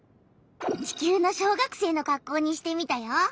地球の小学生のかっこうにしてみたよ。